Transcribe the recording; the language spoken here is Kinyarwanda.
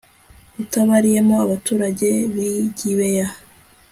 utabariyemo abaturage b'i gibeya